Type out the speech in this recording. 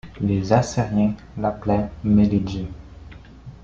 Les Assyriens l’appelaient Meliddu.